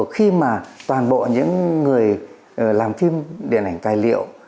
khi mà toàn bộ những người làm phim điện ảnh tài liệu